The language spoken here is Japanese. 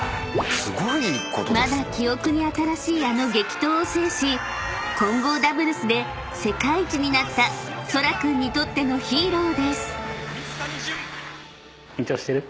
［まだ記憶に新しいあの激闘を制し混合ダブルスで世界一になったそら君にとってのヒーローです］